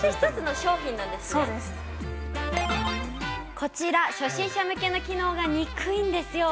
こちら、初心者向けの機能が憎いんですよ。